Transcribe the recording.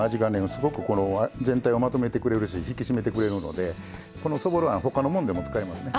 すごくこの全体をまとめてくれるし引き締めてくれるのでこのそぼろあん他のもんでも使えますね。